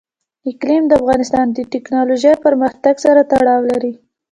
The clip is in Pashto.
اقلیم د افغانستان د تکنالوژۍ پرمختګ سره تړاو لري.